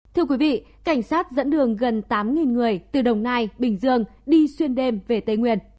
thưa quý vị cảnh sát dẫn đường gần tám người từ đồng nai bình dương đi xuyên đêm về tây nguyên